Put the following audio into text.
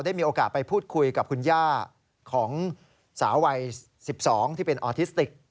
มีโอกาสไปพูดคุยกับคุณย่าของสาววัย๑๒ที่เป็นออทิสติก